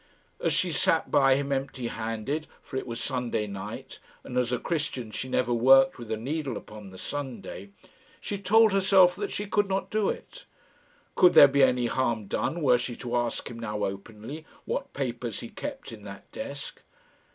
As she sat by him empty handed for it was Sunday night, and as a Christian she never worked with a needle upon the Sunday she told herself that she could not do it. Could there be any harm done were she to ask him now, openly, what papers he kept in that desk?